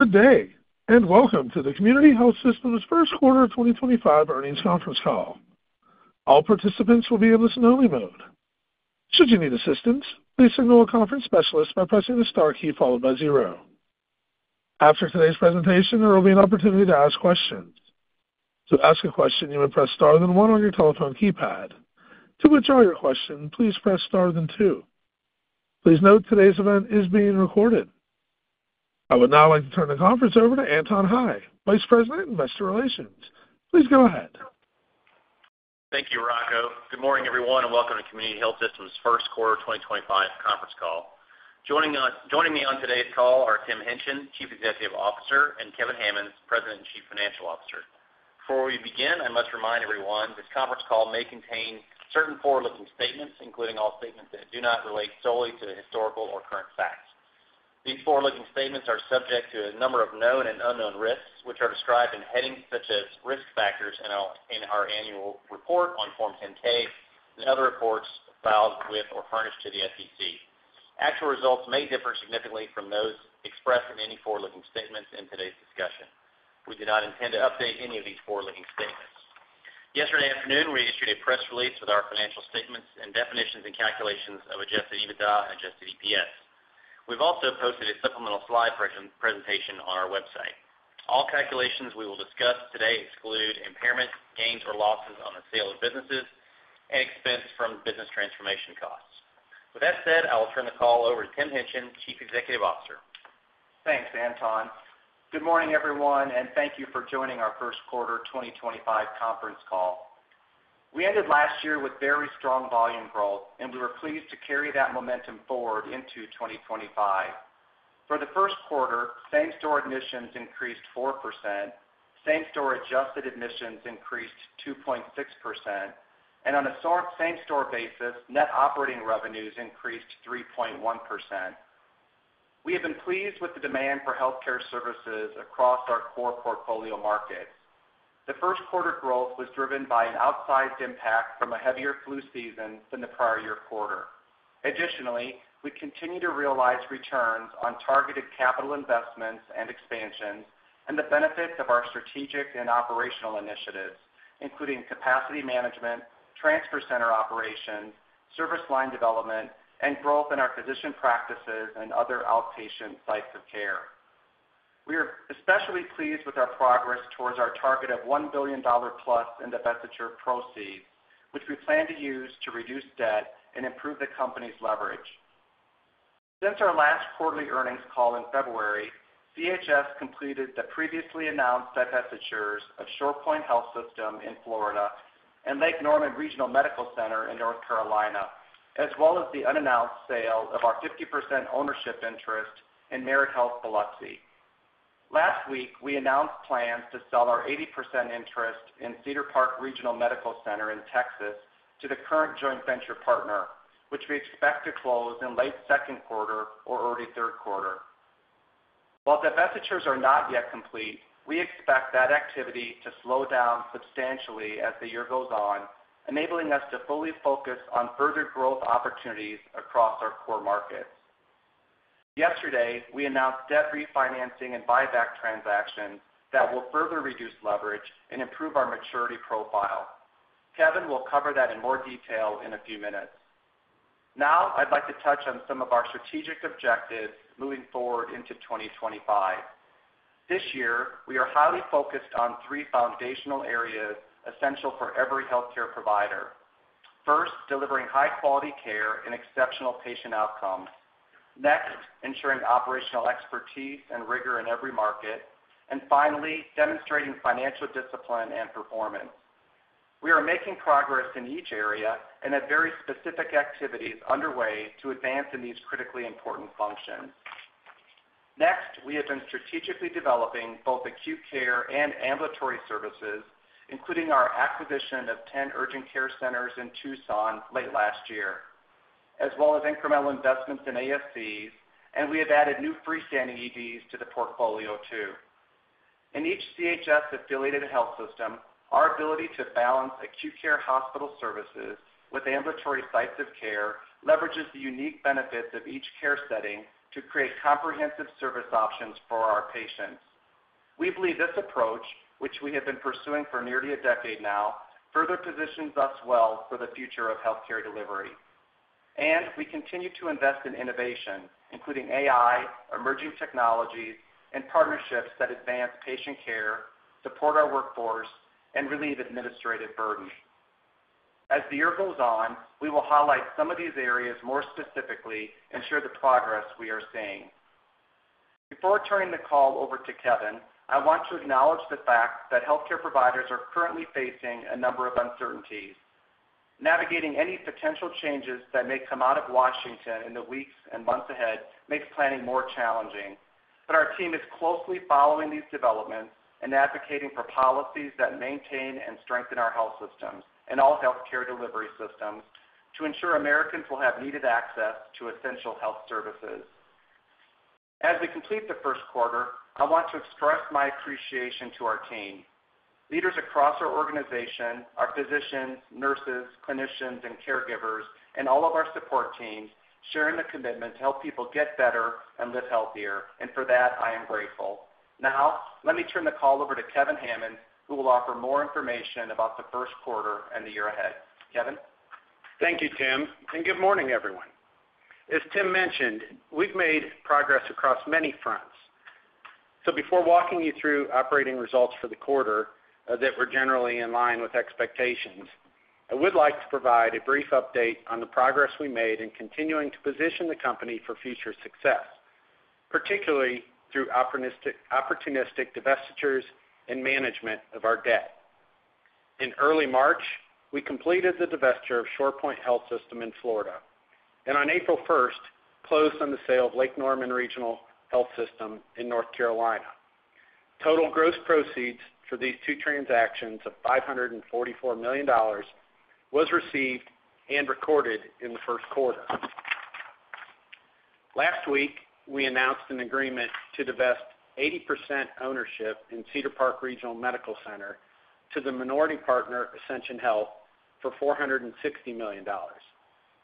Good day, and welcome to the Community Health Systems Kevin Hammons, Lynn Simon, Q1 2025 Earnings Conference Call. All participants will be in listen-only mode. Should you need assistance, please signal a conference specialist by pressing the star key followed by zero. After today's presentation, there will be an opportunity to ask questions. To ask a question, you may press star then one on your telephone keypad. To withdraw your question, please press star then two. Please note today's event is being recorded. I would now like to turn the conference over to Anton Hie, Vice President, Investor Relations. Please go ahead. Thank you, Rocco. Good morning, everyone, and welcome to Community Health Systems Kevin Hammons, Lynn Simon, Q1 2025 Conference Call. Joining me on today's call are Tim Hingtgen, Chief Executive Officer, and Kevin Hammons, President and Chief Financial Officer. Before we begin, I must remind everyone this conference call may contain certain forward-looking statements, including all statements that do not relate solely to historical or current facts. These forward-looking statements are subject to a number of known and unknown risks, which are described in headings such as Risk Factors in our annual report on Form 10-K and other reports filed with or furnished to the SEC. Actual results may differ significantly from those expressed in any forward-looking statements in today's discussion. We do not intend to update any of these forward-looking statements. Yesterday afternoon, we issued a press release with our financial statements and definitions and calculations of adjusted EBITDA and adjusted EPS. We've also posted a supplemental slide presentation on our website. All calculations we will discuss today exclude impairments, gains or losses on the sale of businesses, and expense from business transformation costs. With that said, I will turn the call over to Tim Hingtgen, Chief Executive Officer. Thanks, Anton. Good morning, everyone, and thank you for joining our Q1 2025 Conference Call. We ended last year with very strong volume growth, and we were pleased to carry that momentum forward into 2025. For the Q1, same-store admissions increased 4%, same-store adjusted admissions increased 2.6%, and on a same-store basis, net operating revenues increased 3.1%. We have been pleased with the demand for healthcare services across our core portfolio markets. The Q1 growth was driven by an outsized impact from a heavier flu season than the prior year quarter. Additionally, we continue to realize returns on targeted capital investments and expansions and the benefits of our strategic and operational initiatives, including capacity management, transfer center operations, service line development, and growth in our physician practices and other outpatient sites of care. We are especially pleased with our progress towards our target of $1 billion plus in the divestiture proceeds, which we plan to use to reduce debt and improve the company's leverage. Since our last quarterly earnings call in February, CHS completed the previously announced divestitures of ShorePoint Health System in Florida and Lake Norman Regional Medical Center in North Carolina, as well as the unannounced sale of our 50% ownership interest in Merit Health Biloxi. Last week, we announced plans to sell our 80% interest in Cedar Park Regional Medical Center in Texas to the current joint venture partner, which we expect to close in late Q2 or early Q3. While divestitures are not yet complete, we expect that activity to slow down substantially as the year goes on, enabling us to fully focus on further growth opportunities across our core markets. Yesterday, we announced debt refinancing and buyback transactions that will further reduce leverage and improve our maturity profile. Kevin will cover that in more detail in a few minutes. Now, I'd like to touch on some of our strategic objectives moving forward into 2025. This year, we are highly focused on three foundational areas essential for every healthcare provider. First, delivering high-quality care and exceptional patient outcomes. Next, ensuring operational expertise and rigor in every market. Finally, demonstrating financial discipline and performance. We are making progress in each area and have very specific activities underway to advance in these critically important functions. Next, we have been strategically developing both acute care and ambulatory services, including our acquisition of 10 urgent care centers in Tucson late last year, as well as incremental investments in ASCs, and we have added new freestanding EDs to the portfolio too. In each CHS-affiliated health system, our ability to balance acute care hospital services with ambulatory sites of care leverages the unique benefits of each care setting to create comprehensive service options for our patients. We believe this approach, which we have been pursuing for nearly a decade now, further positions us well for the future of healthcare delivery. We continue to invest in innovation, including AI, emerging technologies, and partnerships that advance patient care, support our workforce, and relieve administrative burden. As the year goes on, we will highlight some of these areas more specifically and share the progress we are seeing. Before turning the call over to Kevin, I want to acknowledge the fact that healthcare providers are currently facing a number of uncertainties. Navigating any potential changes that may come out of Washington in the weeks and months ahead makes planning more challenging. Our team is closely following these developments and advocating for policies that maintain and strengthen our health systems and all healthcare delivery systems to ensure Americans will have needed access to essential health services. As we complete the Q1, I want to express my appreciation to our team. Leaders across our organization, our physicians, nurses, clinicians, and caregivers, and all of our support teams share in the commitment to help people get better and live healthier. For that, I am grateful. Now, let me turn the call over to Kevin Hammons, who will offer more information about the Q1 and the year ahead. Kevin. Thank you, Tim. Good morning, everyone. As Tim mentioned, we've made progress across many fronts. Before walking you through operating results for the quarter that were generally in line with expectations, I would like to provide a brief update on the progress we made in continuing to position the company for future success, particularly through opportunistic divestitures and management of our debt. In early March, we completed the divestiture of ShorePoint Health System in Florida. On April 1, we closed on the sale of Lake Norman Regional Medical Center in North Carolina. Total gross proceeds for these two transactions of $544 million was received and recorded in the Q1. Last week, we announced an agreement to divest 80% ownership in Cedar Park Regional Medical Center to the minority partner Ascension Health for $460 million,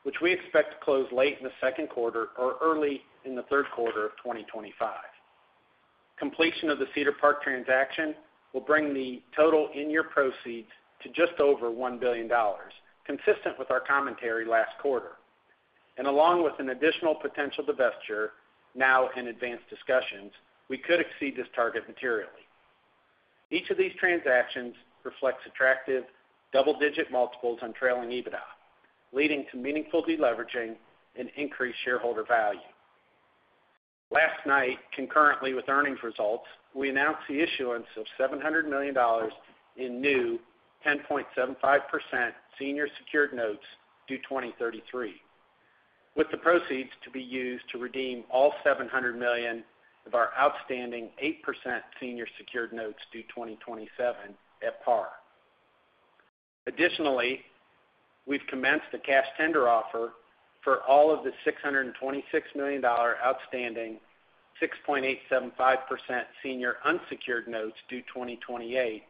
which we expect to close late in the Q2 or early in the Q3 of 2025. Completion of the Cedar Park transaction will bring the total in-year proceeds to just over $1 billion, consistent with our commentary last quarter. Along with an additional potential divestiture, now in advanced discussions, we could exceed this target materially. Each of these transactions reflects attractive double-digit multiples on trailing EBITDA, leading to meaningful deleveraging and increased shareholder value. Last night, concurrently with earnings results, we announced the issuance of $700 million in new 10.75% senior secured notes due 2033, with the proceeds to be used to redeem all $700 million of our outstanding 8% senior secured notes due 2027 at par. Additionally, we've commenced a cash tender offer for all of the $626 million outstanding 6.875% senior unsecured notes due 2028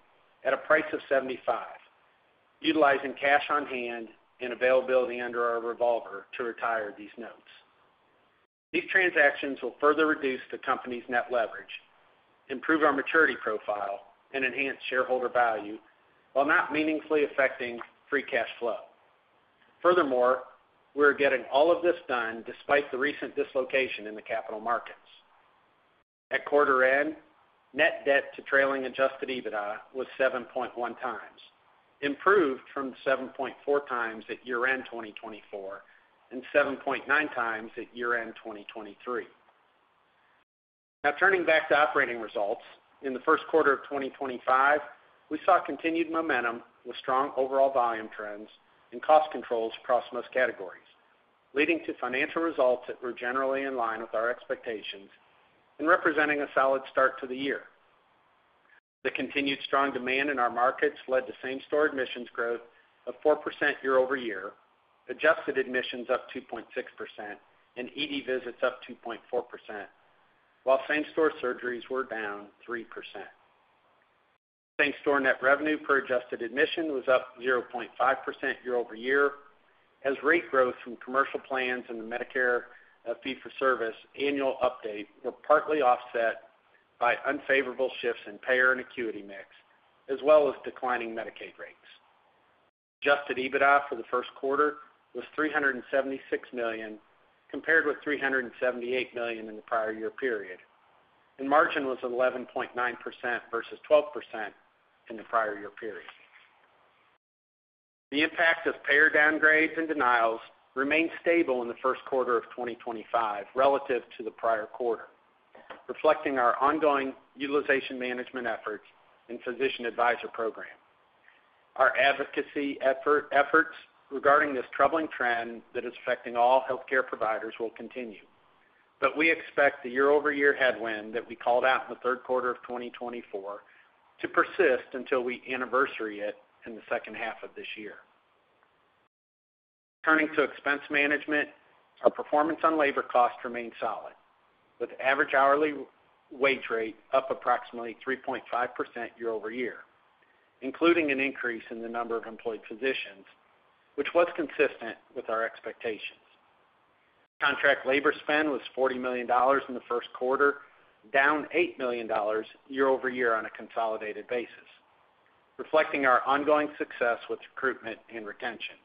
at a price of $75, utilizing cash on hand and availability under our revolver to retire these notes. These transactions will further reduce the company's net leverage, improve our maturity profile, and enhance shareholder value while not meaningfully affecting free cash flow. Furthermore, we're getting all of this done despite the recent dislocation in the capital markets. At quarter end, net debt to trailing adjusted EBITDA was 7.1 times, improved from 7.4 times at year-end 2024 and 7.9 times at year-end 2023. Now, turning back to operating results, in the Q1 of 2025, we saw continued momentum with strong overall volume trends and cost controls across most categories, leading to financial results that were generally in line with our expectations and representing a solid start to the year. The continued strong demand in our markets led to same-store admissions growth of 4% year-over-year, adjusted admissions up 2.6%, and ED visits up 2.4%, while same-store surgeries were down 3%. Same-store net revenue per adjusted admission was up 0.5% year-over-year, as rate growth from commercial plans and the Medicare fee-for-service annual update were partly offset by unfavorable shifts in payer and acuity mix, as well as declining Medicaid rates. Adjusted EBITDA for the Q1 was $376 million, compared with $378 million in the prior year period. Margin was 11.9% versus 12% in the prior year period. The impact of payer downgrades and denials remained stable in the Q1 of 2025 relative to the prior quarter, reflecting our ongoing utilization management efforts and physician advisor program. Our advocacy efforts regarding this troubling trend that is affecting all healthcare providers will continue. We expect the year-over-year headwind that we called out in the Q3 of 2024 to persist until we anniversary it in the second half of this year. Turning to expense management, our performance on labor costs remained solid, with average hourly wage rate up approximately 3.5% year-over-year, including an increase in the number of employed physicians, which was consistent with our expectations. Contract labor spend was $40 million in the Q1, down $8 million year-over-year on a consolidated basis, reflecting our ongoing success with recruitment and retention.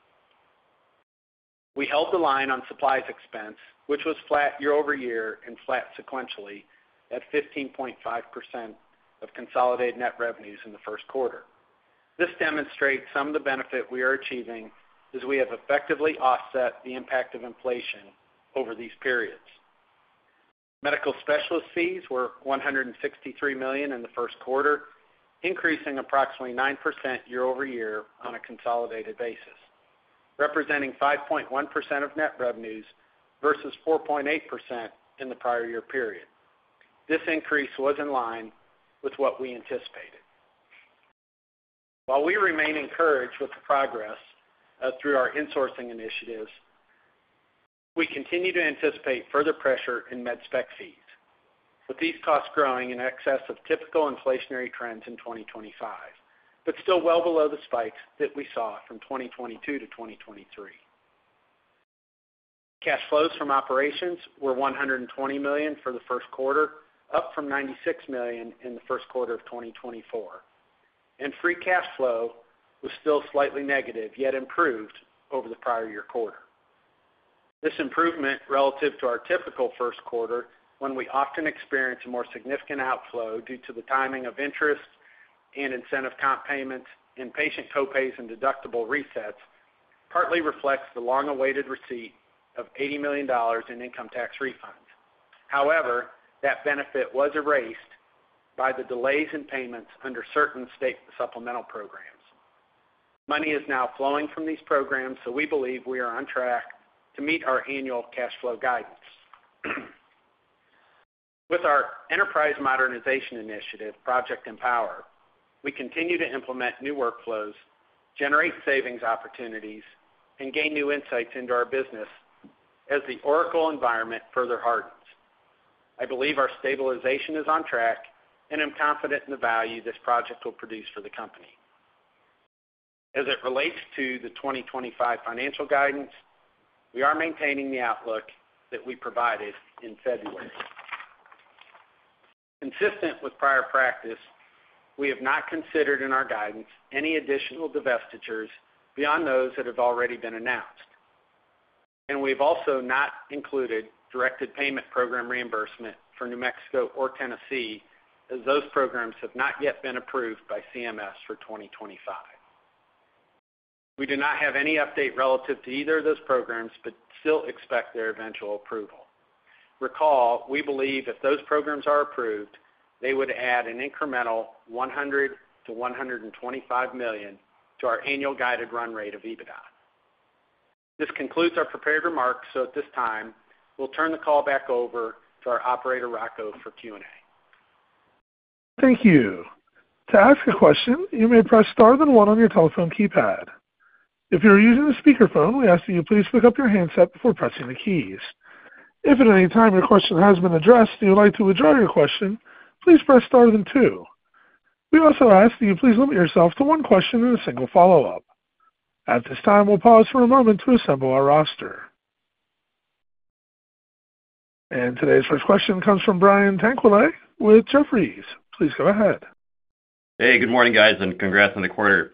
We held the line on supplies expense, which was flat year-over-year and flat sequentially at 15.5% of consolidated net revenues in the Q1. This demonstrates some of the benefit we are achieving as we have effectively offset the impact of inflation over these periods. Medical specialist fees were $163 million in the Q1, increasing approximately 9% year-over-year on a consolidated basis, representing 5.1% of net revenues versus 4.8% in the prior year period. This increase was in line with what we anticipated. While we remain encouraged with the progress through our insourcing initiatives, we continue to anticipate further pressure in med-spec fees, with these costs growing in excess of typical inflationary trends in 2025, but still well below the spikes that we saw from 2022 to 2023. Cash flows from operations were $120 million for the Q1, up from $96 million in the Q1 of 2024. Free cash flow was still slightly negative, yet improved over the prior year quarter. This improvement relative to our typical Q1, when we often experience a more significant outflow due to the timing of interest and incentive comp payments and patient copays and deductible resets, partly reflects the long-awaited receipt of $80 million in income tax refunds. However, that benefit was erased by the delays in payments under certain state supplemental programs. Money is now flowing from these programs, so we believe we are on track to meet our annual cash flow guidance. With our enterprise modernization initiative, Project Empower, we continue to implement new workflows, generate savings opportunities, and gain new insights into our business as the Oracle environment further hardens. I believe our stabilization is on track, and I'm confident in the value this project will produce for the company. As it relates to the 2025 financial guidance, we are maintaining the outlook that we provided in February. Consistent with prior practice, we have not considered in our guidance any additional divestitures beyond those that have already been announced. We have also not included directed payment program reimbursement for New Mexico or Tennessee, as those programs have not yet been approved by CMS for 2025. We do not have any update relative to either of those programs, but still expect their eventual approval. Recall, we believe if those programs are approved, they would add an incremental $100-$125 million to our annual guided run rate of EBITDA. This concludes our prepared remarks, so at this time, we'll turn the call back over to our operator, Rocco, for Q&A. Thank you. To ask a question, you may press star then one on your telephone keypad. If you're using a speakerphone, we ask that you please pick up your handset before pressing the keys. If at any time your question has been addressed and you'd like to withdraw your question, please press star then two. We also ask that you please limit yourself to one question and a single follow-up. At this time, we'll pause for a moment to assemble our roster. Today's first question comes from Brian Tanquilut with Jefferies. Please go ahead. Hey, good morning, guys, and congrats on the quarter.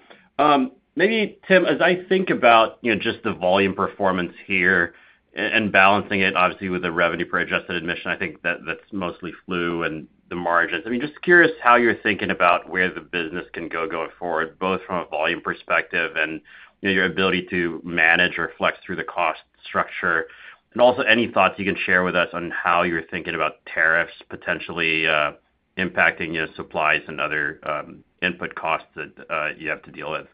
Maybe, Tim, as I think about just the volume performance here and balancing it, obviously, with the revenue for adjusted admission, that that's mostly flu and the margins. Just curious how you're thinking about where the business can go going forward, both from a volume perspective and your ability to manage or flex through the cost structure. Also, any thoughts you can share with us on how you're thinking about tariffs potentially impacting supplies and other input costs that you have to deal with?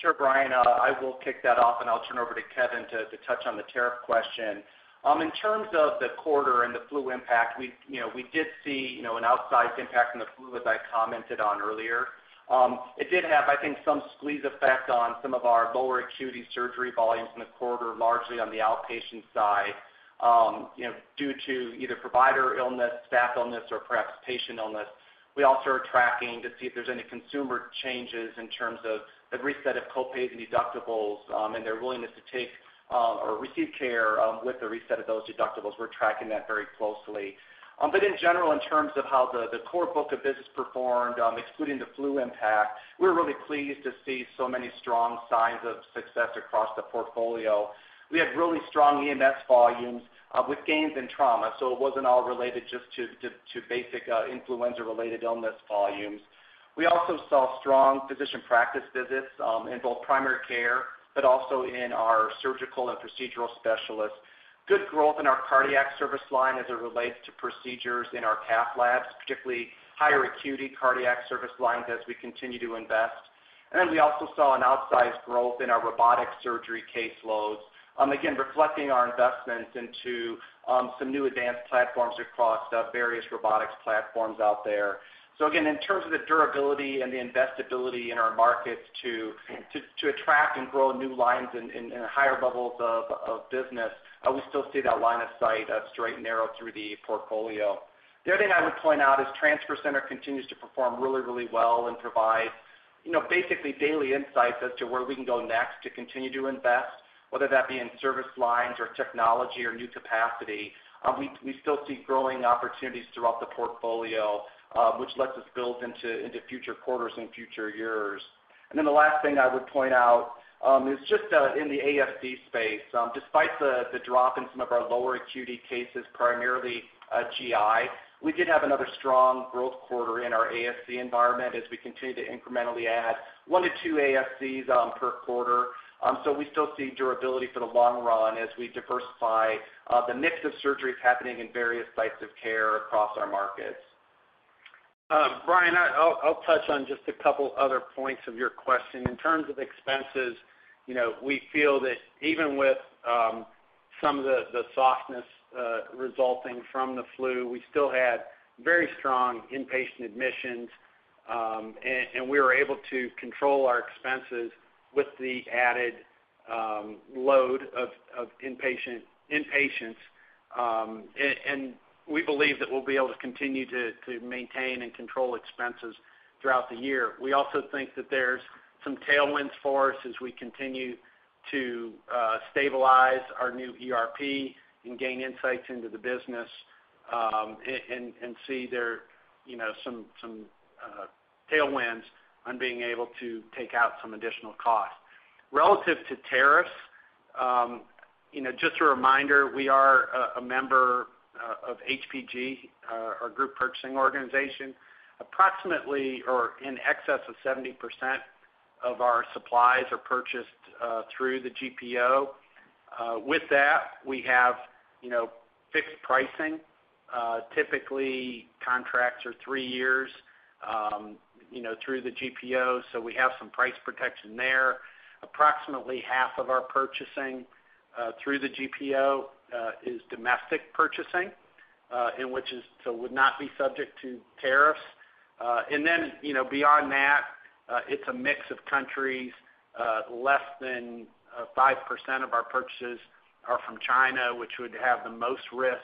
Sure, Brian. I will kick that off, and I'll turn over to Kevin to touch on the tariff question. In terms of the quarter and the flu impact, we did see an outsized impact in the flu, as I commented on earlier. It did have some squeeze effect on some of our lower acuity surgery volumes in the quarter, largely on the outpatient side, due to either provider illness, staff illness, or perhaps patient illness. We also are tracking to see if there's any consumer changes in terms of the reset of copays and deductibles and their willingness to take or receive care with the reset of those deductibles. We're tracking that very closely. In general, in terms of how the core book of business performed, excluding the flu impact, we were really pleased to see so many strong signs of success across the portfolio. We had really strong EMS volumes with gains in trauma, so it wasn't all related just to basic influenza-related illness volumes. We also saw strong physician practice visits in both primary care, but also in our surgical and procedural specialists. Good growth in our cardiac service line as it relates to procedures in our cath labs, particularly higher acuity cardiac service lines as we continue to invest. We also saw an outsized growth in our robotic surgery caseloads, again, reflecting our investments into some new advanced platforms across various robotics platforms out there. In terms of the durability and the investability in our markets to attract and grow new lines and higher levels of business, we still see that line of sight straight and narrow through the portfolio. The other thing I would point out is Transfer Center continues to perform really, really well and provide basically daily insights as to where we can go next to continue to invest, whether that be in service lines or technology or new capacity. We still see growing opportunities throughout the portfolio, which lets us build into future quarters and future years. The last thing I would point out is just in the ASC space. Despite the drop in some of our lower acuity cases, primarily GI, we did have another strong growth quarter in our ASC environment as we continue to incrementally add one to two ASCs per quarter. We still see durability for the long run as we diversify the mix of surgeries happening in various sites of care across our markets. Brian, I'll touch on just a couple other points of your question. In terms of expenses, we feel that even with some of the softness resulting from the flu, we still had very strong inpatient admissions, and we were able to control our expenses with the added load of inpatients. We believe that we'll be able to continue to maintain and control expenses throughout the year. We also think that there's some tailwinds for us as we continue to stabilize our new ERP and gain insights into the business and see there are some tailwinds on being able to take out some additional costs. Relative to tariffs, just a reminder, we are a member of HPG, our group purchasing organization. Approximately or in excess of 70% of our supplies are purchased through the GPO. With that, we have fixed pricing. Typically, contracts are three years through the GPO, so we have some price protection there. Approximately half of our purchasing through the GPO is domestic purchasing, which would not be subject to tariffs. Beyond that, it's a mix of countries. Less than 5% of our purchases are from China, which would have the most risk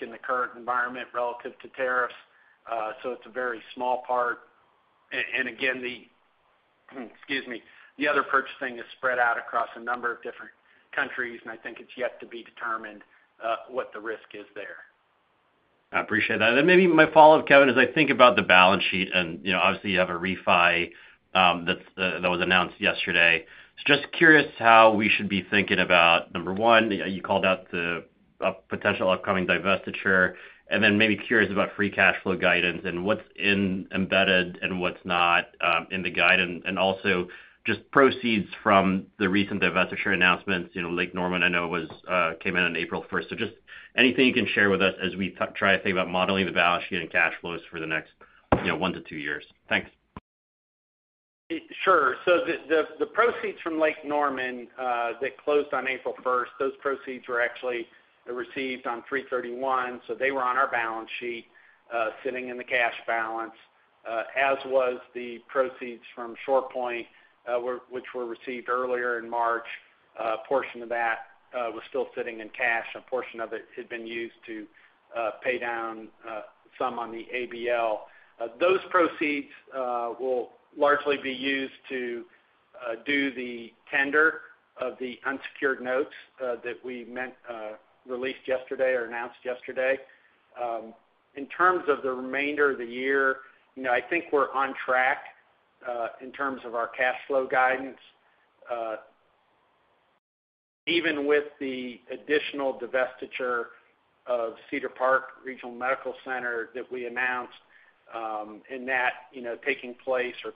in the current environment relative to tariffs. It's a very small part. Again, excuse me, the other purchasing is spread out across a number of different countries, and it's yet to be determined what the risk is there. I appreciate that. Maybe my follow-up, Kevin, as I think about the balance sheet, and obviously, you have a refi that was announced yesterday. Just curious how we should be thinking about, number one, you called out the potential upcoming divestiture, and then maybe curious about free cash flow guidance and what's embedded and what's not in the guidance, and also just proceeds from the recent divestiture announcements. Lake Norman, I know, came in on April 1st. Just anything you can share with us as we try to think about modeling the balance sheet and cash flows for the next one to two years? Thanks. Sure. The proceeds from Lake Norman that closed on April 1st, those proceeds were actually received on 3/31. They were on our balance sheet sitting in the cash balance, as was the proceeds from ShorePoint, which were received earlier in March. A portion of that was still sitting in cash. A portion of it had been used to pay down some on the ABL. Those proceeds will largely be used to do the tender of the unsecured notes that we released yesterday or announced yesterday. In terms of the remainder of the year, I think we're on track in terms of our cash flow guidance, even with the additional divestiture of Cedar Park Regional Medical Center that we announced, and that taking place or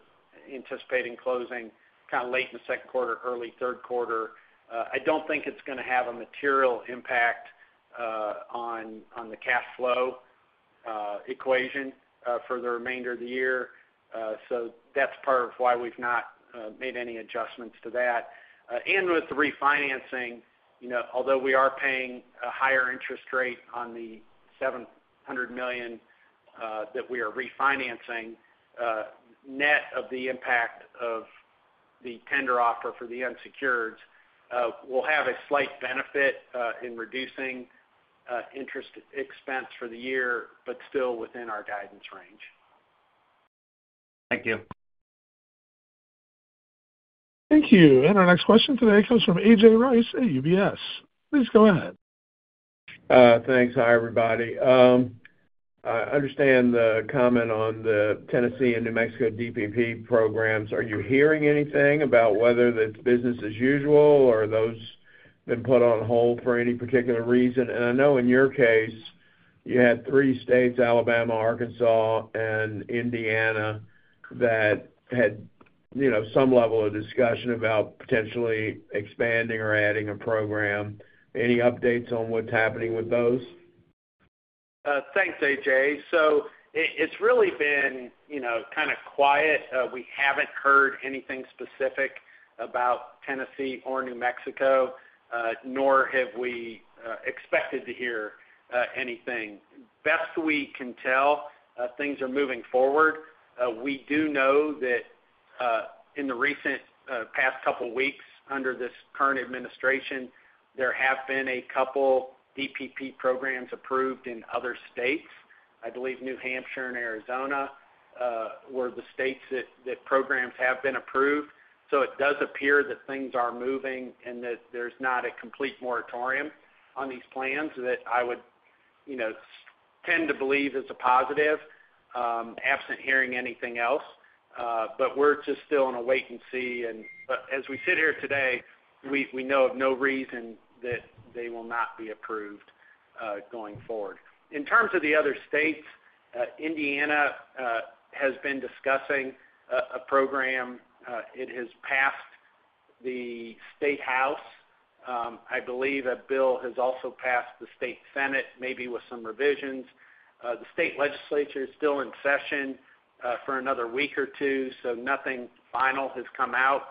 anticipating closing kind of late in the Q2, early Q3. I don't think it's going to have a material impact on the cash flow equation for the remainder of the year. That's part of why we've not made any adjustments to that. With the refinancing, although we are paying a higher interest rate on the $700 million that we are refinancing, net of the impact of the tender offer for the unsecured, we'll have a slight benefit in reducing interest expense for the year, but still within our guidance range. Thank you. Thank you. Our next question today comes from A.J. Rice at UBS. Please go ahead. Thanks. Hi, everybody. I understand the comment on the Tennessee and New Mexico DPP programs. Are you hearing anything about whether that's business as usual, or have those been put on hold for any particular reason? I know in your case, you had three states, Alabama, Arkansas, and Indiana, that had some level of discussion about potentially expanding or adding a program. Any updates on what's happening with those? Thanks, A.J. So it's really been kind of quiet. We haven't heard anything specific about Tennessee or New Mexico, nor have we expected to hear anything. Best we can tell, things are moving forward. We do know that in the recent past couple of weeks under this current administration, there have been a couple DPP programs approved in other states. I believe New Hampshire and Arizona were the states that programs have been approved. It does appear that things are moving and that there's not a complete moratorium on these plans that I would tend to believe is a positive, absent hearing anything else. We're just still in a wait and see. As we sit here today, we know of no reason that they will not be approved going forward. In terms of the other states, Indiana has been discussing a program. It has passed the State House. I believe a bill has also passed the State Senate, maybe with some revisions. The state legislature is still in session for another week or two, so nothing final has come out,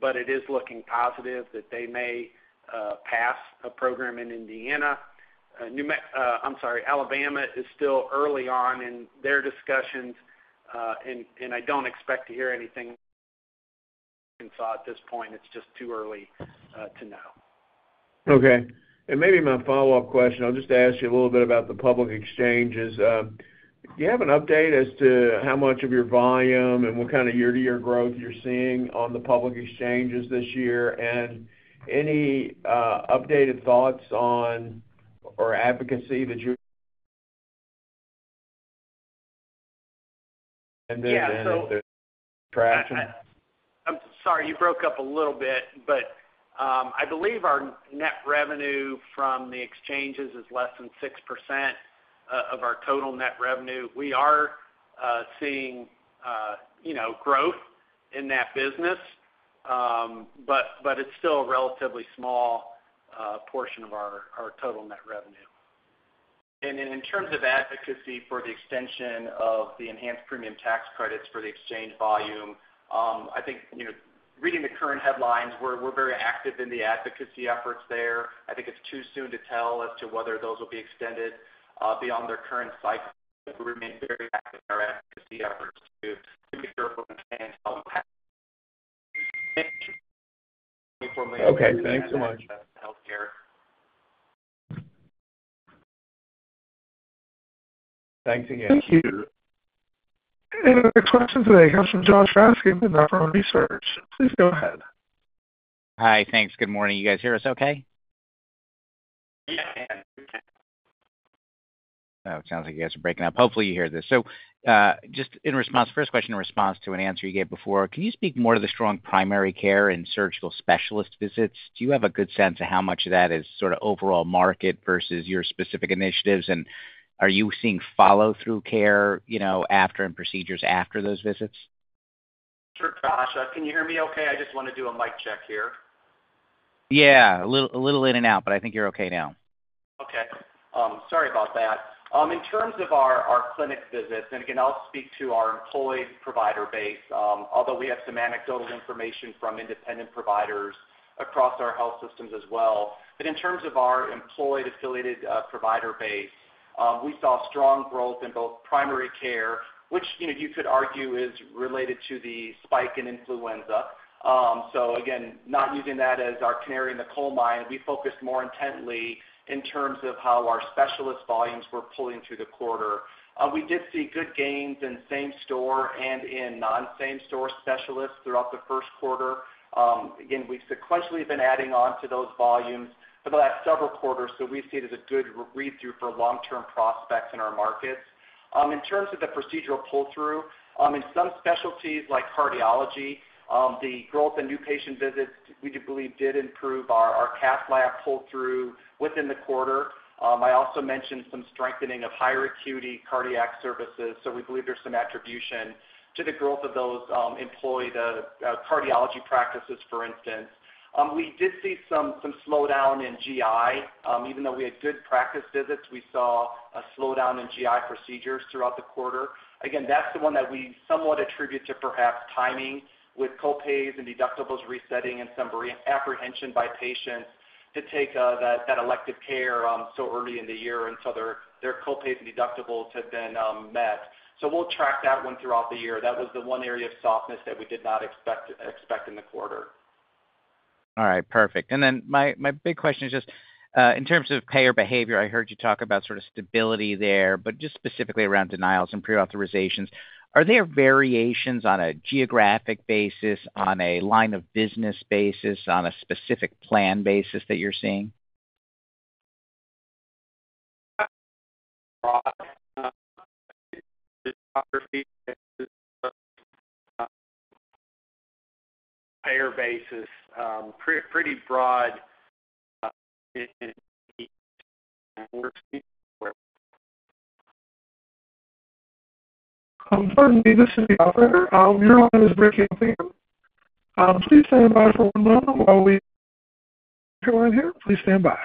but it is looking positive that they may pass a program in Indiana. I'm sorry, Alabama is still early on in their discussions, and I don't expect to hear anything from Arkansas at this point. It's just too early to know. Okay. Maybe my follow-up question. I'll just ask you a little bit about the public exchanges. Do you have an update as to how much of your volume and what kind of year-to-year growth you're seeing on the public exchanges this year? Any updated thoughts on or advocacy that you're— Yeah, so— Any traction? I'm sorry, you broke up a little bit, but I believe our net revenue from the exchanges is less than 6% of our total net revenue. We are seeing growth in that business, but it's still a relatively small portion of our total net revenue. In terms of advocacy for the extension of the enhanced premium tax credits for the exchange volume reading the current headlines, we're very active in the advocacy efforts there. It's too soon to tell as to whether those will be extended beyond their current cycle. We remain very active in our advocacy efforts to be careful and expand— Okay. Thanks so much. Healthcare. Thanks again. Thank you. Our next question today comes from Joshua Raskin with Nephron Research. Please go ahead. Hi. Thanks. Good morning. You guys hear us okay? Yeah. It sounds like you guys are breaking up. Hopefully, you hear this. Just in response, first question in response to an answer you gave before, can you speak more to the strong primary care and surgical specialist visits? Do you have a good sense of how much of that is sort of overall market versus your specific initiatives? Are you seeing follow-through care after and procedures after those visits? Sure, Josh. Can you hear me okay? I just want to do a mic check here. Yeah. A little in and out, but I think you're okay now. Okay. Sorry about that. In terms of our clinic visits, and again, I'll speak to our employed provider base, although we have some anecdotal information from independent providers across our health systems as well. In terms of our employed affiliated provider base, we saw strong growth in both primary care, which you could argue is related to the spike in influenza. Not using that as our canary in the coal mine, we focused more intently in terms of how our specialist volumes were pulling through the quarter. We did see good gains in same-store and in non-same-store specialists throughout the Q1. We've sequentially been adding on to those volumes for the last several quarters, so we see it as a good read-through for long-term prospects in our markets. In terms of the procedural pull-through, in some specialties like cardiology, the growth in new patient visits, we do believe did improve our cath lab pull-through within the quarter. I also mentioned some strengthening of higher acuity cardiac services, so we believe there's some attribution to the growth of those employed cardiology practices, for instance. We did see some slowdown in GI. Even though we had good practice visits, we saw a slowdown in GI procedures throughout the quarter. Again, that's the one that we somewhat attribute to perhaps timing with copays and deductibles resetting and some apprehension by patients to take that elective care so early in the year until their copays and deductibles had been met. We'll track that one throughout the year. That was the one area of softness that we did not expect in the quarter. All right. Perfect. My big question is just in terms of payer behavior. I heard you talk about sort of stability there, but just specifically around denials and pre-authorizations. Are there variations on a geographic basis, on a line of business basis, on a specific plan basis that you're seeing? Broad geography basis, payer basis, pretty broad in the. I'm part of the operator. Your line is breaking up again. Please stand by for one moment while we get you on here. Please stand by.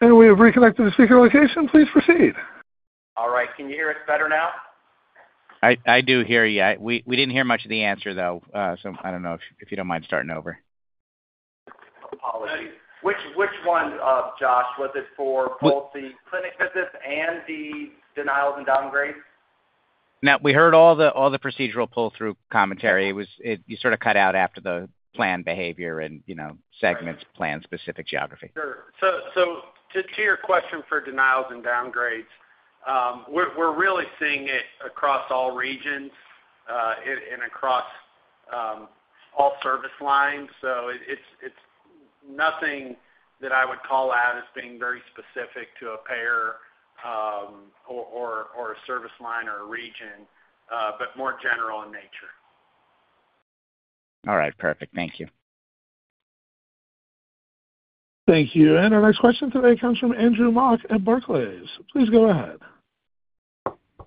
We have reconnected the speaker location. Please proceed. All right. Can you hear us better now? I do hear you. We didn't hear much of the answer, though, so I don't know if you don't mind starting over. Apologies. Which one, Josh, was it for both the clinic visits and the denials and downgrades? No, we heard all the procedural pull-through commentary. You sort of cut out after the plan behavior and segments, plan-specific geography. Sure. To your question for denials and downgrades, we're really seeing it across all regions and across all service lines. It's nothing that I would call out as being very specific to a payer or a service line or a region, but more general in nature. All right. Perfect. Thank you. Thank you. Our next question today comes from Andrew Mok at Barclays. Please go ahead.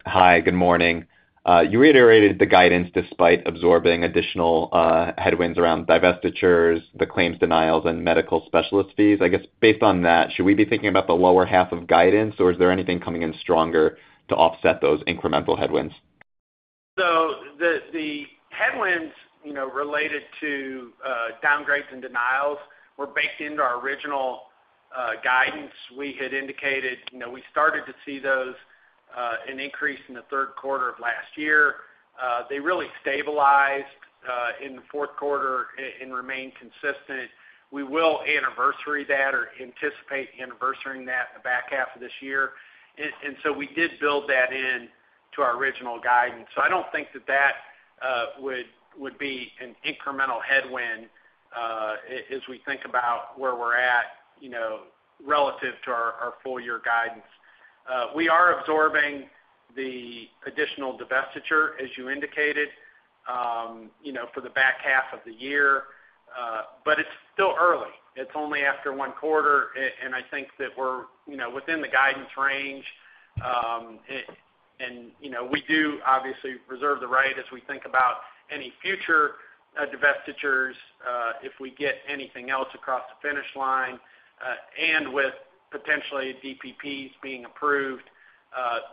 Hi. Good morning. You reiterated the guidance despite absorbing additional headwinds around divestitures, the claims denials, and medical specialist fees. I guess based on that, should we be thinking about the lower half of guidance, or is there anything coming in stronger to offset those incremental headwinds? The headwinds related to downgrades and denials were baked into our original guidance. We had indicated we started to see those increase in the Q3 of last year. They really stabilized in the Q4 and remained consistent. We will anniversary that or anticipate anniversary that in the back half of this year. We did build that into our original guidance. I do not think that would be an incremental headwind as we think about where we are at relative to our full-year guidance. We are absorbing the additional divestiture, as you indicated, for the back half of the year, but it is still early. It is only after one quarter, and that we are within the guidance range. We do obviously reserve the right as we think about any future divestitures. If we get anything else across the finish line and with potentially DPPs being approved,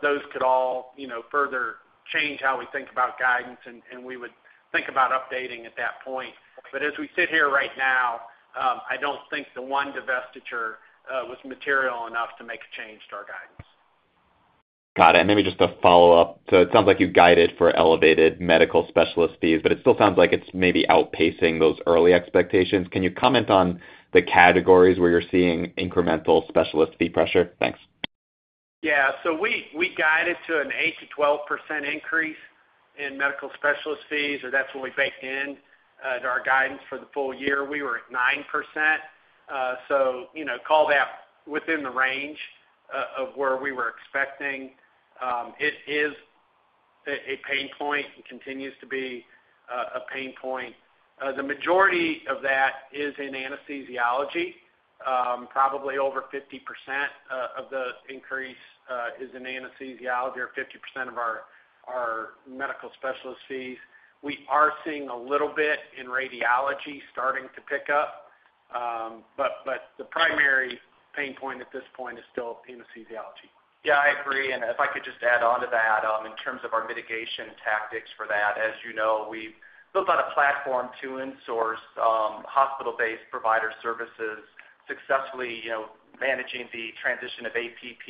those could all further change how we think about guidance, and we would think about updating at that point. As we sit here right now, I don't think the one divestiture was material enough to make a change to our guidance. Got it. Maybe just a follow-up. It sounds like you guided for elevated medical specialist fees, but it still sounds like it's maybe outpacing those early expectations. Can you comment on the categories where you're seeing incremental specialist fee pressure? Thanks. Yeah. We guided to an 8%-12% increase in medical specialist fees, or that's what we baked into our guidance for the full year. We were at 9%. Call that within the range of where we were expecting. It is a pain point and continues to be a pain point. The majority of that is in anesthesiology. Probably over 50% of the increase is in anesthesiology or 50% of our medical specialist fees. We are seeing a little bit in radiology starting to pick up, but the primary pain point at this point is still anesthesiology. Yeah, I agree. If I could just add on to that, in terms of our mitigation tactics for that, as you know, we built out a platform to insource hospital-based provider services, successfully managing the transition of APP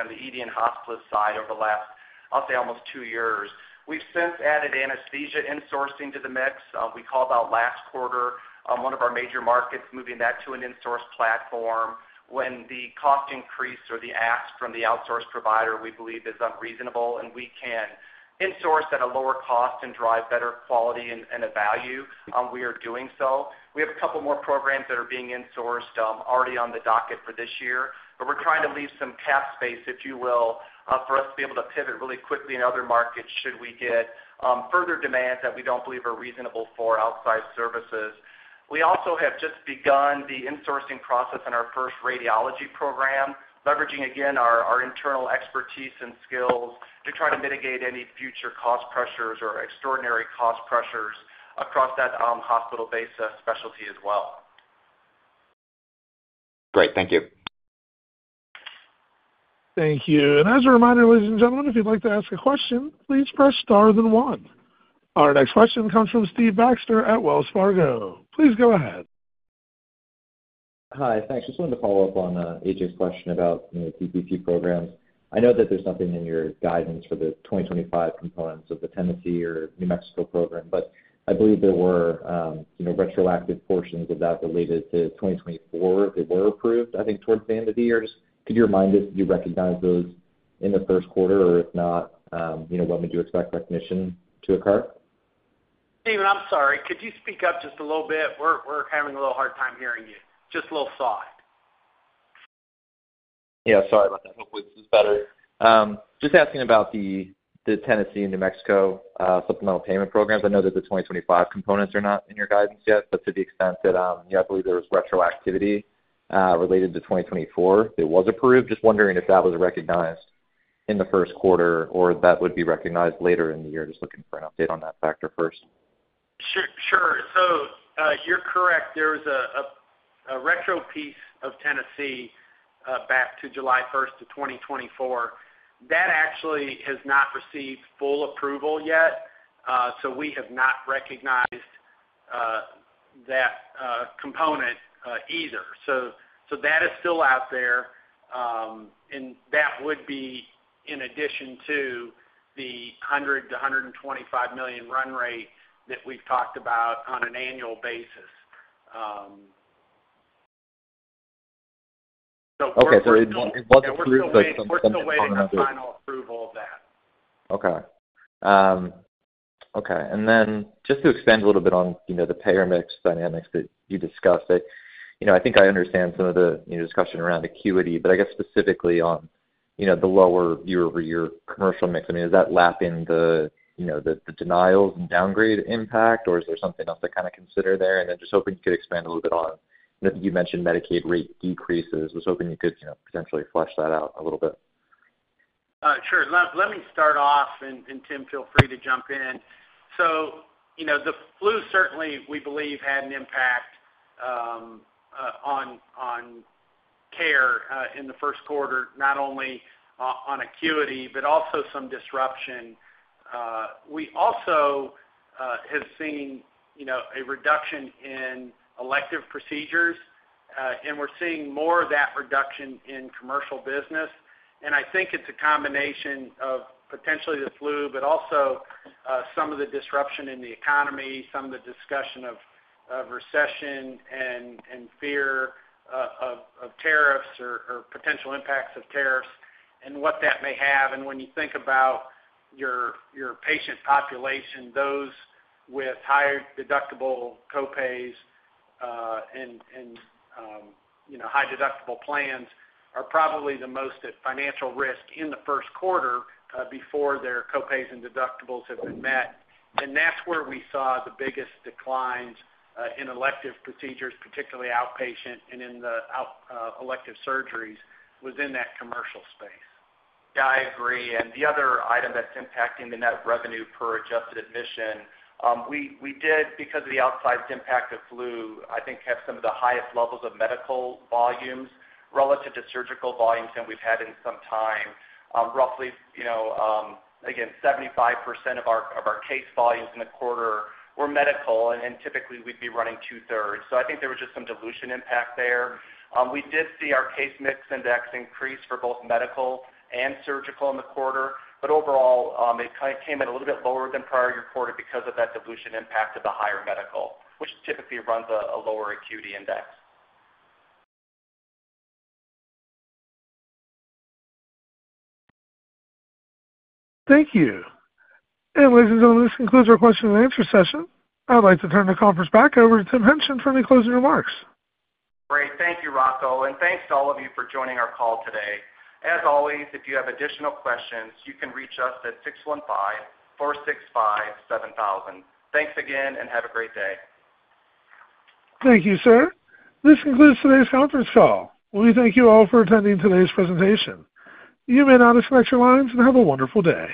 on the ED and hospitalist side over the last, I'll say, almost two years. We've since added anesthesia insourcing to the mix. We called out last quarter one of our major markets moving that to an insource platform when the cost increase or the ask from the outsourced provider, we believe, is unreasonable, and we can insource at a lower cost and drive better quality and a value. We are doing so. We have a couple more programs that are being insourced already on the docket for this year, but we're trying to leave some cap space, if you will, for us to be able to pivot really quickly in other markets should we get further demands that we don't believe are reasonable for outside services. We also have just begun the insourcing process in our first radiology program, leveraging, again, our internal expertise and skills to try to mitigate any future cost pressures or extraordinary cost pressures across that hospital-based specialty as well. Great. Thank you. Thank you. As a reminder, ladies and gentlemen, if you'd like to ask a question, please press star then one. Our next question comes from Stephen Baxter at Wells Fargo. Please go ahead. Hi. Thanks. Just wanted to follow up on A.J.'s question about DPP programs. I know that there's nothing in your guidance for the 2025 components of the Tennessee or New Mexico program, but I believe there were retroactive portions of that related to 2024. They were approved towards the end of the year. Just could you remind us if you recognize those in the Q1, or if not, when would you expect recognition to occur? Steven, I'm sorry. Could you speak up just a little bit? We're having a little hard time hearing you. Just a little soft. Yeah. Sorry about that. Hopefully, this is better. Just asking about the Tennessee and New Mexico supplemental payment programs. I know that the 2025 components are not in your guidance yet, but to the extent that I believe there was retroactivity related to 2024, it was approved. Just wondering if that was recognized in the Q1 or that would be recognized later in the year. Just looking for an update on that factor first. Sure. You're correct. There was a retro piece of Tennessee back to July 1, 2024. That actually has not received full approval yet, so we have not recognized that component either. That is still out there, and that would be in addition to the $100-$125 million run rate that we've talked about on an annual basis. We're still. Okay. It was approved, but something's still hanging on. There's no final approval of that. Okay. Okay. Just to expand a little bit on the payer mix dynamics that you discussed, I understand some of the discussion around acuity, but I guess specifically on the lower year-over-year commercial mix, is that lapping the denials and downgrade impact, or is there something else to kind of consider there? I am just hoping you could expand a little bit on you mentioned Medicaid rate decreases. I was hoping you could potentially flesh that out a little bit. Sure. Let me start off, and Tim, feel free to jump in. The flu certainly, we believe, had an impact on care in the Q1, not only on acuity, but also some disruption. We also have seen a reduction in elective procedures, and we're seeing more of that reduction in commercial business. It's a combination of potentially the flu, but also some of the disruption in the economy, some of the discussion of recession and fear of tariffs or potential impacts of tariffs and what that may have. When you think about your patient population, those with higher deductible copays and high deductible plans are probably the most at financial risk in the Q1 before their copays and deductibles have been met. That's where we saw the biggest declines in elective procedures, particularly outpatient and in the elective surgeries, was in that commercial space. Yeah, I agree. The other item that's impacting the net revenue per adjusted admission, we did, because of the outsized impact of flu, I think have some of the highest levels of medical volumes relative to surgical volumes than we've had in some time. Roughly, again, 75% of our case volumes in the quarter were medical, and typically, we'd be running two-thirds. I think there was just some dilution impact there. We did see our case mix index increase for both medical and surgical in the quarter, but overall, it came in a little bit lower than prior year quarter because of that dilution impact of the higher medical, which typically runs a lower acuity index. Thank you. Ladies and gentlemen, this concludes our question and answer session. I'd like to turn the conference back over to Tim Hingtgen for any closing remarks. Great. Thank you, Rocco. Thank you to all of you for joining our call today. As always, if you have additional questions, you can reach us at 615-465-7000. Thank you again, and have a great day. Thank you, sir. This concludes today's conference call. We thank you all for attending today's presentation. You may now disconnect your lines and have a wonderful day.